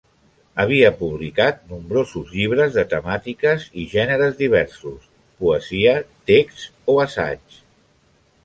Havia publicat nombrosos llibres de temàtiques i gèneres diversos: poesia, text, o assaig.